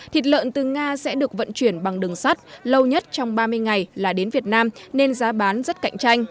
thịt lợn từ nga sẽ được vận chuyển bằng đường sắt lâu nhất trong ba mươi ngày là đến việt nam nên giá bán rất cạnh tranh